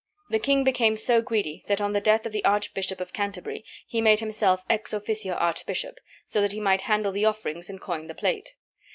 The king became so greedy that on the death of the Archbishop of Canterbury he made himself ex officio archbishop, so that he might handle the offerings and coin the plate.